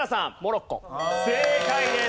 正解です。